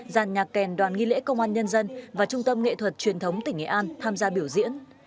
giàn nhạc kèn đoàn nghi lễ công an nhân dân và trung tâm nghệ thuật truyền thống tỉnh nghệ an tham gia biểu diễn